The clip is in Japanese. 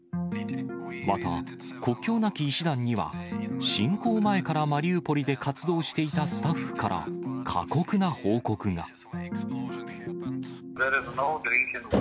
また、国境なき医師団には、侵攻前からマリウポリで活動していたスタッフから、過酷な報告が。